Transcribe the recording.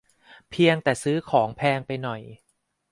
เพียงแต่ซื้อของแพงไปหน่อย